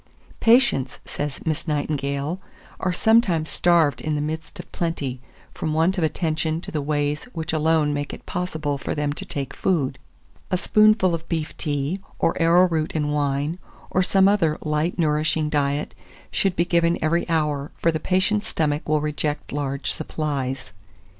"Patients," says Miss Nightingale, "are sometimes starved in the midst of plenty, from want of attention to the ways which alone make it possible for them to take food. A spoonful of beef tea, or arrowroot and wine, or some other light nourishing diet, should be given every hour, for the patient's stomach will reject large supplies.